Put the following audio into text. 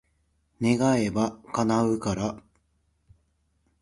願えば、叶うから。